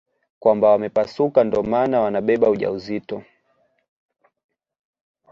Kwamba wamepasuka ndo maana wanabeba ujauzito